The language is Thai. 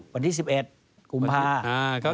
วันที่๑๑กุมภาคม